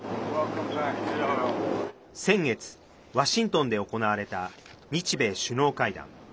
先月、ワシントンで行われた日米首脳会談。